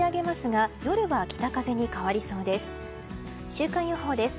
週間予報です。